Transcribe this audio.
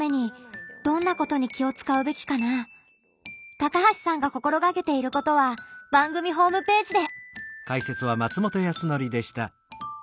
高橋さんが心がけていることは番組ホームページで。